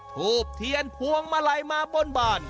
ธูปเทียนพวงมาไหลมาบวนบ่อน